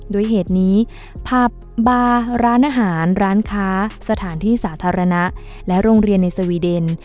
โดยเหตุนี้ผับบาร์ร้านอาหารร้านค้าสถานที่สาธารณะและโรงเรียนในสวีเดน